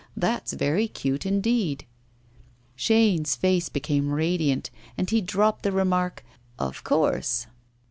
That's very cute indeed.' Chaîne's face became radiant, and he dropped the remark: 'Of course!